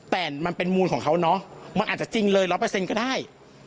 แต่มันเป็นมูลของเขาเนาะมันอาจจะจริงเลย๑๐๐ก็ได้